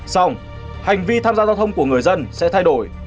xong hành vi tham gia giao thông của người dân sẽ thay đổi